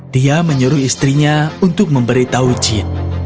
dia menyuruh istrinya untuk memberitahu chin